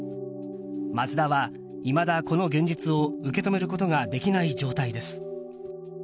松田はいまだこの現実を受け止めることができない状態です。